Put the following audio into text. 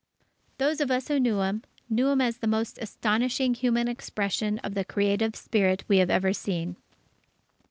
Those of us who knew him, knew him as the most astonishing human expression of the Creative Spirit we had ever seen.